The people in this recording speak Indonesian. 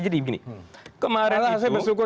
jadi begini kemarin itu saya bersyukur